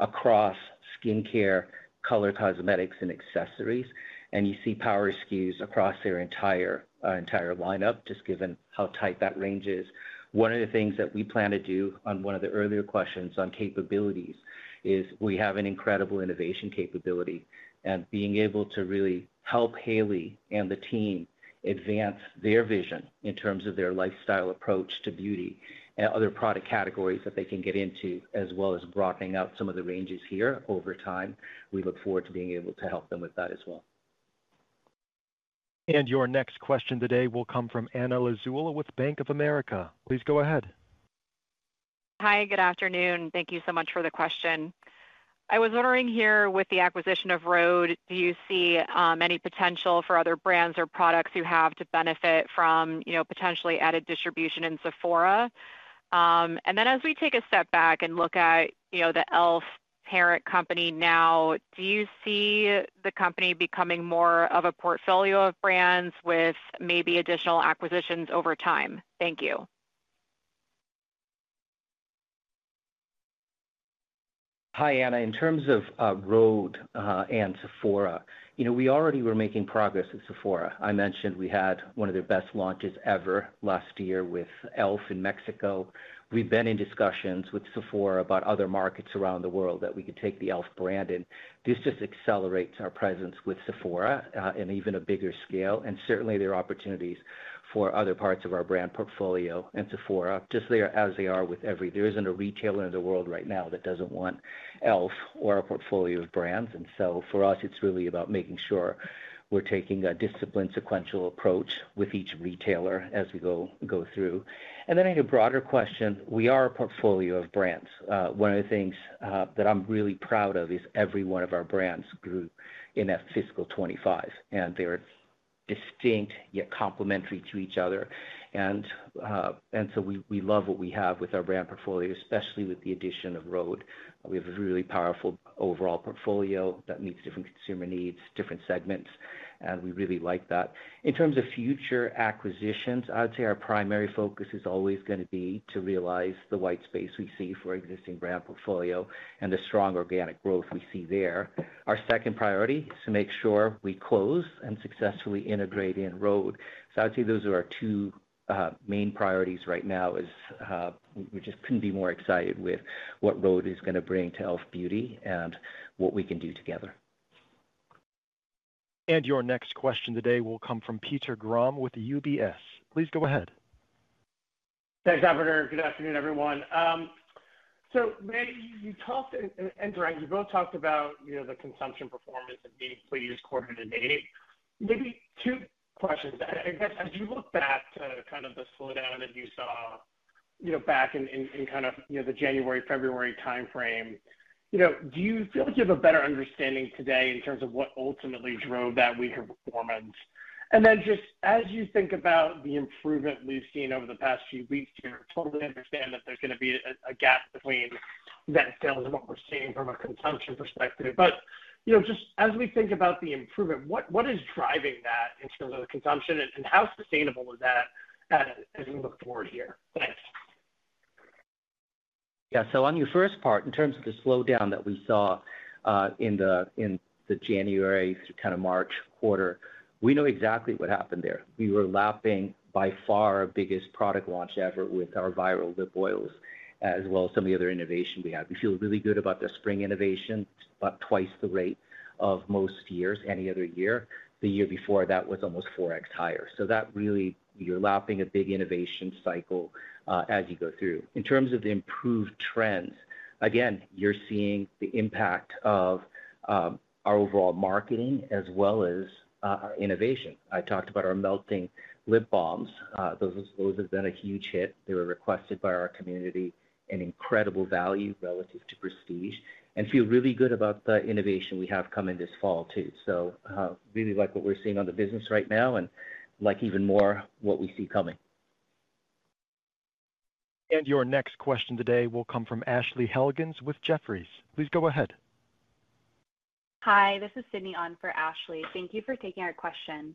across skincare, color, cosmetics, and accessories. You see power SKUs across their entire lineup, just given how tight that range is. One of the things that we plan to do on one of the earlier questions on capabilities is we have an incredible innovation capability and being able to really help Hailey and the team advance their vision in terms of their lifestyle approach to beauty and other product categories that they can get into, as well as broadening out some of the ranges here over time. We look forward to being able to help them with that as well. Your next question today will come from Anna Lizzul with Bank of America. Please go ahead. Hi, good afternoon. Thank you so much for the question. I was wondering here with the acquisition of rhode, do you see any potential for other brands or products you have to benefit from potentially added distribution in Sephora? As we take a step back and look at the e.l.f. parent company now, do you see the company becoming more of a portfolio of brands with maybe additional acquisitions over time? Thank you. Hi, Anna. In terms of rhode and Sephora, we already were making progress at Sephora. I mentioned we had one of their best launches ever last year with e.l.f. in Mexico. We have been in discussions with Sephora about other markets around the world that we could take the e.l.f. brand in. This just accelerates our presence with Sephora and even a bigger scale. Certainly, there are opportunities for other parts of our brand portfolio and Sephora just as they are with every—there is not a retailer in the world right now that does not want e.l.f. or a portfolio of brands. For us, it is really about making sure we are taking a disciplined sequential approach with each retailer as we go through. I had a broader question. We are a portfolio of brands. One of the things that I'm really proud of is every one of our brands grew in Fiscal 2025. They are distinct yet complementary to each other. We love what we have with our brand portfolio, especially with the addition of rhode. We have a really powerful overall portfolio that meets different consumer needs, different segments. We really like that. In terms of future acquisitions, I would say our primary focus is always going to be to realize the white space we see for our existing brand portfolio and the strong organic growth we see there. Our second priority is to make sure we close and successfully integrate in rhode. I would say those are our two main priorities right now, as we just could not be more excited with what rhode is going to bring to e.l.f. Beauty and what we can do together. Your next question today will come from Peter Grom with UBS. Please go ahead. Thanks, Operator. Good afternoon, everyone. So Mandy, you talked and Tarang, you both talked about the consumption performance and being pleased quarter to date. Maybe two questions. I guess as you look back to kind of the slowdown that you saw back in kind of the January, February timeframe, do you feel like you have a better understanding today in terms of what ultimately drove that weaker performance? And then just as you think about the improvement we've seen over the past few weeks here, I totally understand that there's going to be a gap between net sales and what we're seeing from a consumption perspective. But just as we think about the improvement, what is driving that in terms of the consumption, and how sustainable is that as we look forward here? Thanks. Yeah. On your first part, in terms of the slowdown that we saw in the January through kind of March quarter, we know exactly what happened there. We were lapping by far our biggest product launch ever with our viral lip oils, as well as some of the other innovation we had. We feel really good about the spring innovation, about twice the rate of most years, any other year. The year before, that was almost 4x higher. You are lapping a big innovation cycle as you go through. In terms of the improved trends, again, you are seeing the impact of our overall marketing as well as our innovation. I talked about our melting lip balms. Those have been a huge hit. They were requested by our community, an incredible value relative to prestige. And feel really good about the innovation we have coming this fall, too. Really like what we're seeing on the business right now and like even more what we see coming. Your next question today will come from Ashley Helgins with Jefferies. Please go ahead. Hi, this is Sydney on for Ashley. Thank you for taking our question.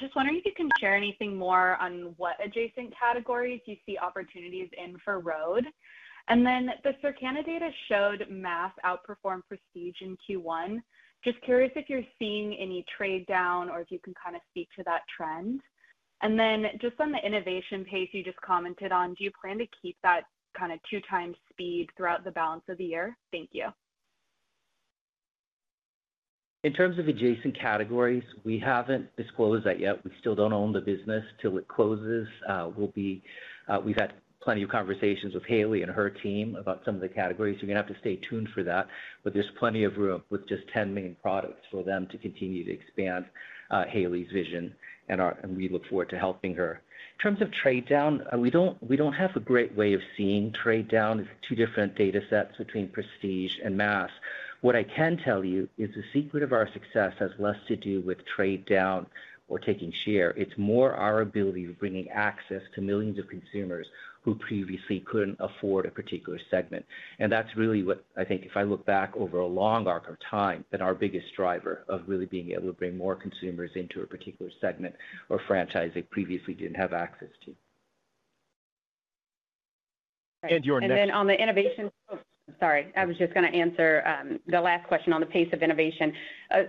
Just wondering if you can share anything more on what adjacent categories you see opportunities in for rhode. The Circana data showed mass outperform prestige in Q1. Just curious if you're seeing any trade down or if you can kind of speak to that trend. Just on the innovation pace you just commented on, do you plan to keep that kind of two-time speed throughout the balance of the year? Thank you. In terms of adjacent categories, we haven't disclosed that yet. We still don't own the business till it closes. We've had plenty of conversations with Hailey and her team about some of the categories. We're going to have to stay tuned for that. There is plenty of room with just 10 main products for them to continue to expand Hailey's vision. We look forward to helping her. In terms of trade down, we don't have a great way of seeing trade down. It's two different data sets between prestige and mass. What I can tell you is the secret of our success has less to do with trade down or taking share. It's more our ability of bringing access to millions of consumers who previously couldn't afford a particular segment. That's really what I think if I look back over a long arc of time, been our biggest driver of really being able to bring more consumers into a particular segment or franchise they previously didn't have access to. Your next. On the innovation. Sorry. I was just going to answer the last question on the pace of innovation.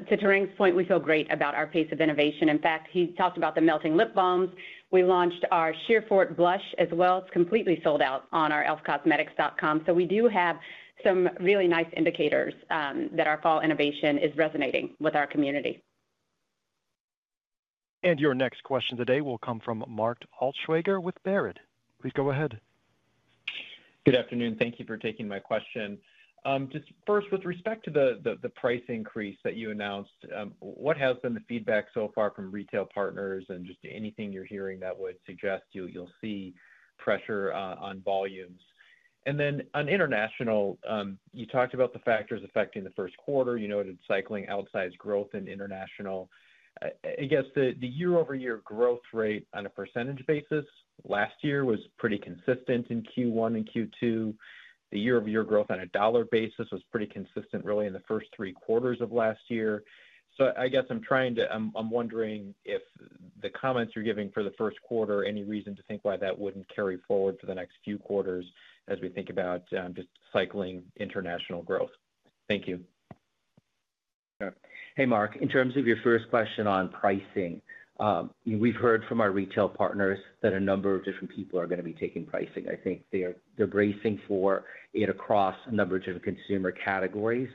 To Tarang's point, we feel great about our pace of innovation. In fact, he talked about the Melting Lip Balms. We launched our Sheer For It blush as well. It's completely sold out on our elfcosmetics.com. We do have some really nice indicators that our fall innovation is resonating with our community. Your next question today will come from Mark R. Altschwager with BofA Securities. Please go ahead. Good afternoon. Thank you for taking my question. Just first, with respect to the price increase that you announced, what has been the feedback so far from retail partners and just anything you're hearing that would suggest you'll see pressure on volumes? On international, you talked about the factors affecting the first quarter. You noted cycling outsized growth in international. I guess the year-over-year growth rate on a percentage basis last year was pretty consistent in Q1 and Q2. The year-over-year growth on a dollar basis was pretty consistent really in the first three quarters of last year. I guess I'm trying to, I'm wondering if the comments you're giving for the first quarter, any reason to think why that wouldn't carry forward for the next few quarters as we think about just cycling international growth. Thank you. Hey, Mark. In terms of your first question on pricing, we've heard from our retail partners that a number of different people are going to be taking pricing. I think they're bracing for it across a number of different consumer categories.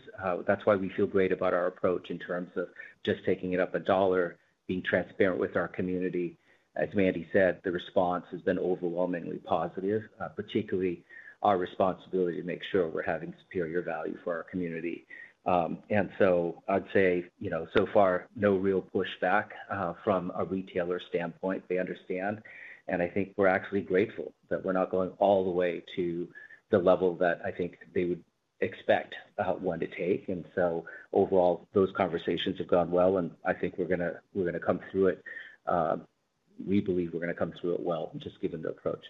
That's why we feel great about our approach in terms of just taking it up a dollar, being transparent with our community. As Mandy said, the response has been overwhelmingly positive, particularly our responsibility to make sure we're having superior value for our community. I'd say so far, no real pushback from a retailer standpoint. They understand. I think we're actually grateful that we're not going all the way to the level that I think they would expect one to take. Overall, those conversations have gone well. I think we're going to come through it. We believe we're going to come through it well just given the approach.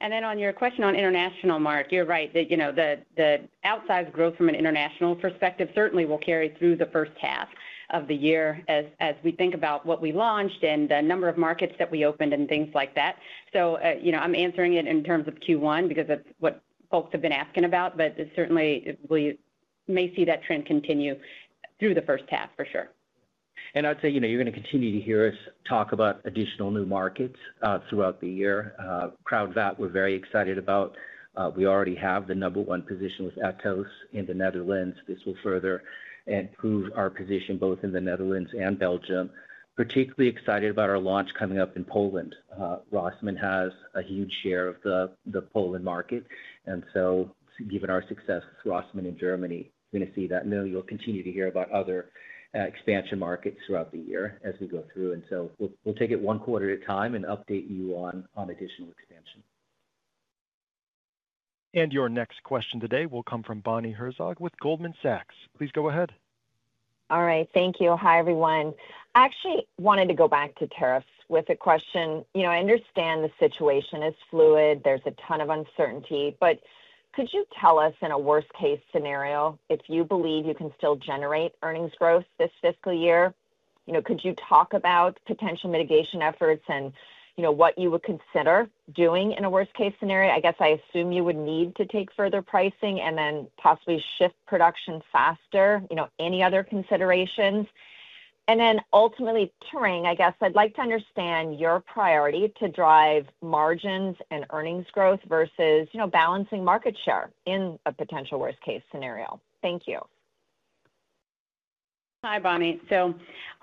On your question on international, Mark, you're right that the outsized growth from an international perspective certainly will carry through the first half of the year as we think about what we launched and the number of markets that we opened and things like that. I'm answering it in terms of Q1 because that's what folks have been asking about. Certainly, we may see that trend continue through the first half for sure. I'd say you're going to continue to hear us talk about additional new markets throughout the year. Kruidvat, we're very excited about. We already have the number one position with Atos in the Netherlands. This will further improve our position both in the Netherlands and Belgium. Particularly excited about our launch coming up in Poland. Rossmann has a huge share of the Poland market. Given our success with Rossmann in Germany, you're going to see that. You'll continue to hear about other expansion markets throughout the year as we go through. We'll take it one quarter at a time and update you on additional expansion. Your next question today will come from Bonnie Herzog with Goldman Sachs. Please go ahead. All right. Thank you. Hi, everyone. I actually wanted to go back to tariffs with a question. I understand the situation is fluid. There's a ton of uncertainty. Could you tell us in a worst-case scenario if you believe you can still generate earnings growth this fiscal year? Could you talk about potential mitigation efforts and what you would consider doing in a worst-case scenario? I guess I assume you would need to take further pricing and then possibly shift production faster. Any other considerations? Ultimately, Tarang, I guess I'd like to understand your priority to drive margins and earnings growth versus balancing market share in a potential worst-case scenario. Thank you. Hi, Bonnie.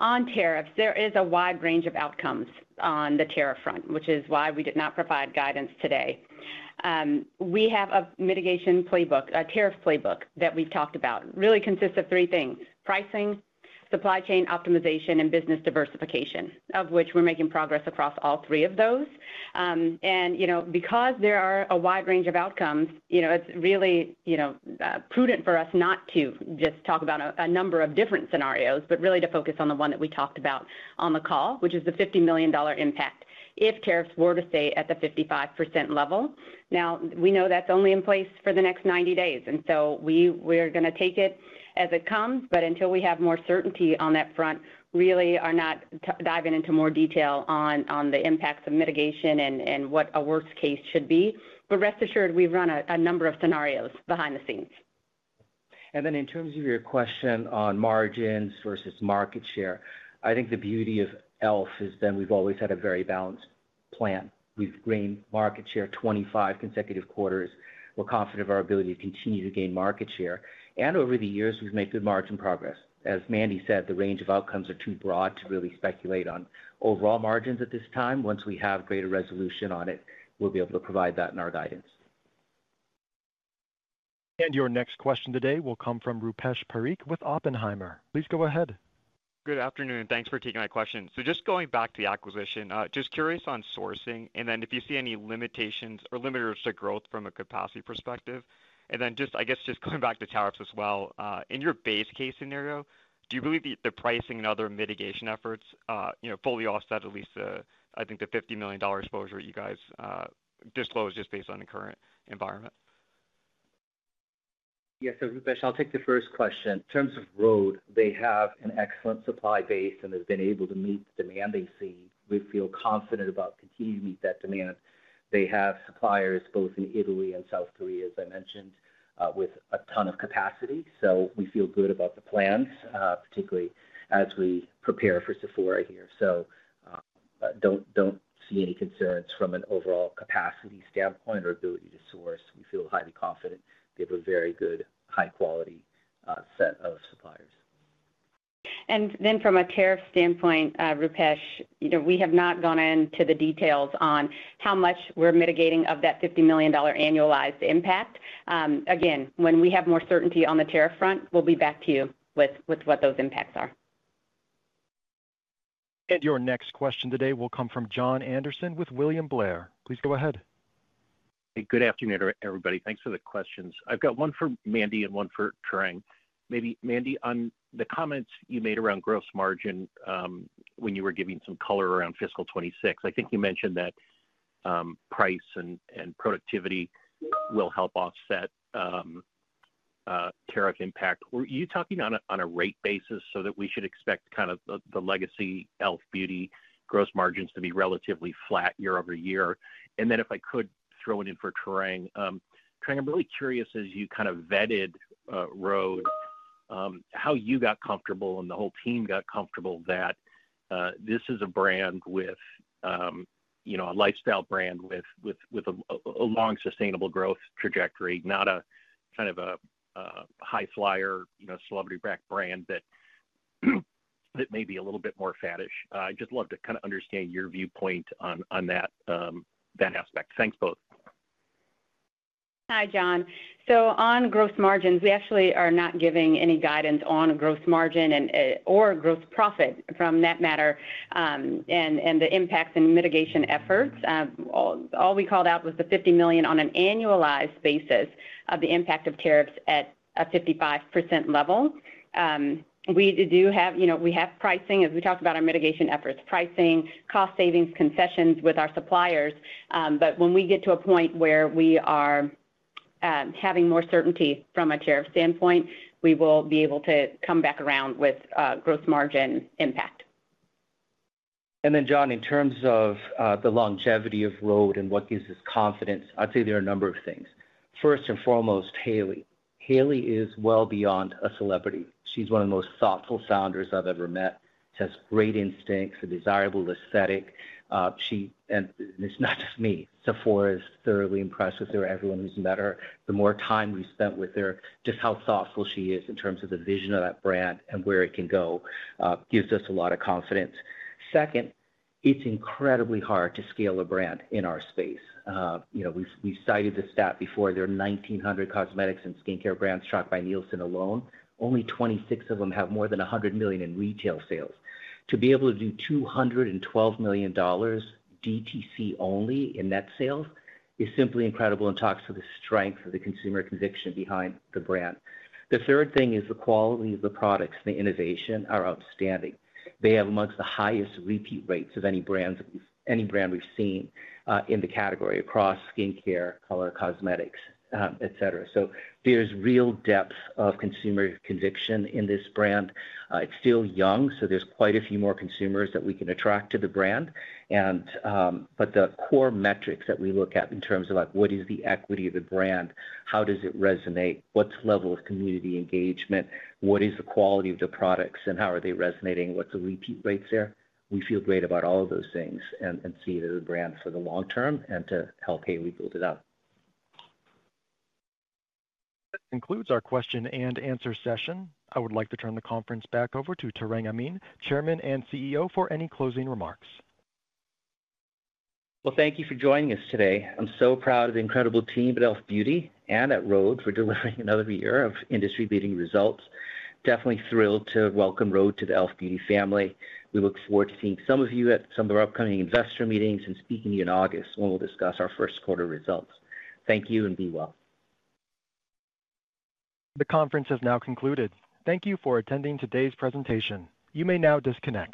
On tariffs, there is a wide range of outcomes on the tariff front, which is why we did not provide guidance today. We have a mitigation playbook, a tariff playbook that we've talked about. It really consists of three things: pricing, supply chain optimization, and business diversification, of which we're making progress across all three of those. Because there are a wide range of outcomes, it's really prudent for us not to just talk about a number of different scenarios, but really to focus on the one that we talked about on the call, which is the $50 million impact if tariffs were to stay at the 55% level. We know that's only in place for the next 90 days. We are going to take it as it comes. Until we have more certainty on that front, really are not diving into more detail on the impacts of mitigation and what a worst case should be. Rest assured, we've run a number of scenarios behind the scenes. In terms of your question on margins versus market share, I think the beauty of e.l.f. is we've always had a very balanced plan. We've gained market share 25 consecutive quarters. We're confident of our ability to continue to gain market share. Over the years, we've made good margin progress. As Mandy said, the range of outcomes are too broad to really speculate on overall margins at this time. Once we have greater resolution on it, we'll be able to provide that in our guidance. Your next question today will come from Rupesh Parikh with Oppenheimer. Please go ahead. Good afternoon. Thanks for taking my question. Just going back to the acquisition, just curious on sourcing and then if you see any limitations or limiters to growth from a capacity perspective. Just going back to tariffs as well, in your base case scenario, do you believe the pricing and other mitigation efforts fully offset at least the, I think, the $50 million exposure you guys disclosed just based on the current environment? Yes. Rupesh, I'll take the first question. In terms of rhode, they have an excellent supply base and have been able to meet the demand they see. We feel confident about continuing to meet that demand. They have suppliers both in Italy and South Korea, as I mentioned, with a ton of capacity. We feel good about the plans, particularly as we prepare for Sephora here. I do not see any concerns from an overall capacity standpoint or ability to source. We feel highly confident. They have a very good, high-quality set of suppliers. From a tariff standpoint, Rupesh, we have not gone into the details on how much we're mitigating of that $50 million annualized impact. Again, when we have more certainty on the tariff front, we'll be back to you with what those impacts are. Your next question today will come from Jon Anderson with William Blair. Please go ahead. Hey, good afternoon, everybody. Thanks for the questions. I've got one for Mandy and one for Tarang. Maybe Mandy, on the comments you made around gross margin when you were giving some color around fiscal 2026, I think you mentioned that price and productivity will help offset tariff impact. Are you talking on a rate basis so that we should expect kind of the legacy e.l.f. Beauty gross margins to be relatively flat year over year? If I could throw it in for Tarang. Tarang, I'm really curious as you kind of vetted rhode how you got comfortable and the whole team got comfortable that this is a brand with a lifestyle brand with a long sustainable growth trajectory, not a kind of a high-flyer celebrity-backed brand that may be a little bit more faddish. I'd just love to kind of understand your viewpoint on that aspect. Thanks both. Hi, Jon. On gross margins, we actually are not giving any guidance on gross margin or gross profit for that matter and the impacts and mitigation efforts. All we called out was the $50 million on an annualized basis of the impact of tariffs at a 55% level. We do have pricing, as we talked about our mitigation efforts, pricing, cost savings, concessions with our suppliers. When we get to a point where we are having more certainty from a tariff standpoint, we will be able to come back around with gross margin impact. Then, Jon, in terms of the longevity of rhode and what gives us confidence, I'd say there are a number of things. First and foremost, Hailey. Hailey is well beyond a celebrity. She's one of the most thoughtful founders I've ever met. She has great instincts, a desirable aesthetic. It's not just me. Sephora is thoroughly impressed with her. Everyone who's met her, the more time we spent with her, just how thoughtful she is in terms of the vision of that brand and where it can go gives us a lot of confidence. Second, it's incredibly hard to scale a brand in our space. We've cited the stat before. There are 1,900 cosmetics and skincare brands tracked by Nielsen alone. Only 26 of them have more than $100 million in retail sales. To be able to do $212 million DTC only in net sales is simply incredible and talks to the strength of the consumer conviction behind the brand. The third thing is the quality of the products and the innovation are outstanding. They have amongst the highest repeat rates of any brand we've seen in the category across skincare, color, cosmetics, etc. So there's real depth of consumer conviction in this brand. It's still young, so there's quite a few more consumers that we can attract to the brand. The core metrics that we look at in terms of what is the equity of the brand, how does it resonate, what is the level of community engagement, what is the quality of the products, and how are they resonating, what are the repeat rates there, we feel great about all of those things and see it as a brand for the long term and to help Hailey build it up. That concludes our question and answer session. I would like to turn the conference back over to Tarang Amin, Chairman and CEO, for any closing remarks. Thank you for joining us today. I'm so proud of the incredible team at e.l.f. Beauty and at rhode for delivering another year of industry-leading results. Definitely thrilled to welcome rhode to the e.l.f. Beauty family. We look forward to seeing some of you at some of our upcoming investor meetings and speaking to you in August when we'll discuss our first quarter results. Thank you and be well. The conference has now concluded. Thank you for attending today's presentation. You may now disconnect.